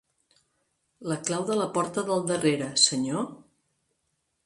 La clau de la porta del darrere, senyor?